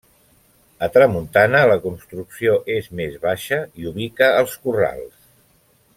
A tramuntana la construcció és més baixa i ubica els corrals.